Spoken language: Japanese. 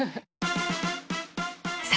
さあ